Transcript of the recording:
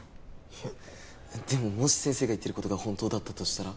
いやでももし先生が言ってる事が本当だったとしたら。